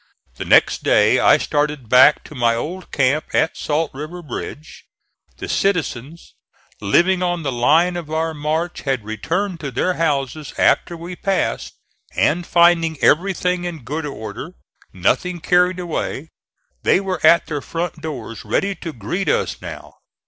The next day I started back to my old camp at Salt River bridge. The citizens living on the line of our march had returned to their houses after we passed, and finding everything in good order, nothing carried away, they were at their front doors ready to greet us now.